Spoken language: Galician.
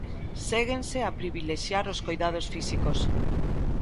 Séguense a privilexiar os coidados físicos.